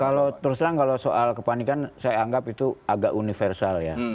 kalau terus terang kalau soal kepanikan saya anggap itu agak universal ya